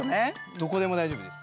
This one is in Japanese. どこでも大丈夫です。